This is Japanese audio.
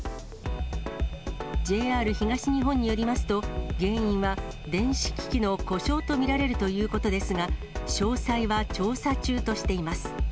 ＪＲ東日本によりますと、原因は電子機器の故障と見られるということですが、詳細は調査中としています。